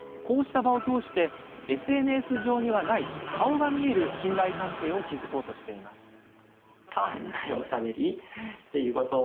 こうした場を通してＳＮＳ上にはない顔が見える信頼関係を築こうとしています。